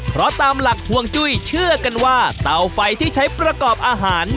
เพราะตามหลักห่วงจุ้ยเชื่อกันว่าเตาไฟที่ใช้ประกอบอาหาร